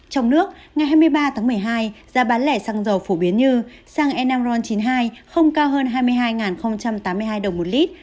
trong nước ngày hai mươi ba tháng một mươi hai giá bán lẻ xăng dầu phổ biến như xăng e năm ron chín mươi hai không cao hơn hai mươi hai tám mươi hai đồng một lít